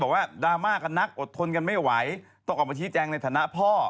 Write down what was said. ดราม่ากันนักอดทนกันไม่ไหวต้องออกมาชี้แจงในฐานะพ่อ